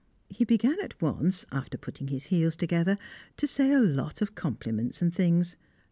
He began at once (after putting his heels together) to say a lot of compliments and things.